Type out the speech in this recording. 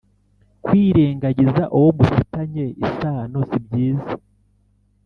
kwirengagiza uwo mufitanye isano sibyiza